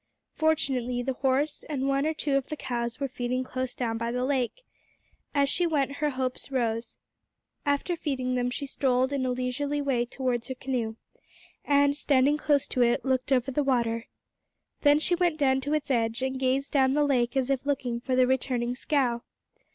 Fortunately the horse and one or two of the cows were feeding close down by the lake. As she went her hopes rose. After feeding them she strolled in a leisurely way towards her canoe, and, standing close to it, looked over the water, then she went down to its edge, and gazed down the lake as if looking for the returning scow.